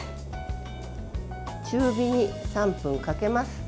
中火に３分かけます。